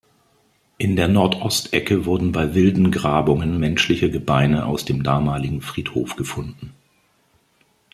In der Nordostecke wurden bei wilden Grabungen menschliche Gebeine aus dem damaligen Friedhof gefunden.